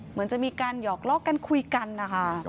เหมือนจะมีการหยอกล้อกันคุยกันนะคะ